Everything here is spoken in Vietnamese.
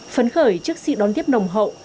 phấn khởi trước sự đón tiếp nồng hậu